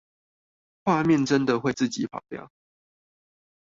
畫面真的會自己跑掉